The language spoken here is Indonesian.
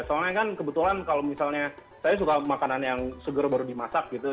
soalnya kan kebetulan kalau misalnya saya suka makanan yang seger baru dimasak gitu